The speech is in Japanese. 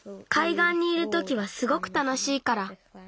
がんにいるときはすごくたのしいから。